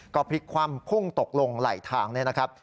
ก็พลิกความพุ่งตกลงไหล่ทางนะครับ